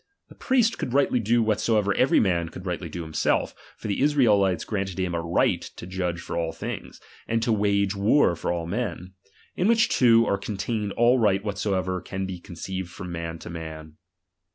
The priest could rightly do whatsoever every man could rightly do himself; for the Israelites granted liim a right to judge of all things, and to wage war for all men ; in which two are contained all right whatsoever can be conceived from man to man.